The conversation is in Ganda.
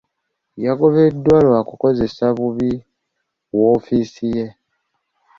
Yagobeddwa lwa kukozesa bubi woofiisi ye.